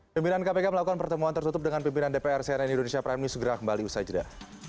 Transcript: pimpinan kpk melakukan pertemuan tertutup dengan pimpinan dpr cnn indonesia prime news segera kembali usai jeda